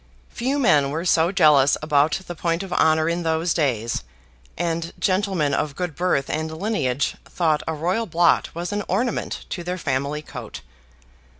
Few men were so jealous about the point of honor in those days; and gentlemen of good birth and lineage thought a royal blot was an ornament to their family coat.